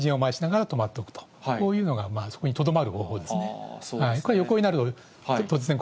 エンジンを回しながら泊まっていくと、こういうのがそこにとどまる方法ですね。